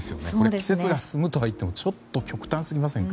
季節が進むといっても極端すぎませんか。